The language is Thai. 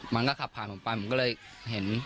มันก็ขับผ่านผมไปผมก็เลยเห็น